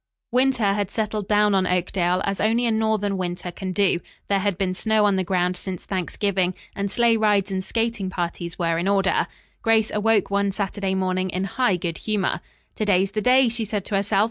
Winter had settled down on Oakdale as only a northern winter can do. There had been snow on the ground since Thanksgiving, and sleigh rides and skating parties were in order. Grace awoke one Saturday morning in high good humor. "To day's the day," she said to herself.